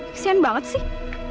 kesian banget sih